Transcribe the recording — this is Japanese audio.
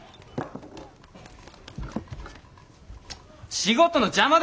仕事の邪魔だ！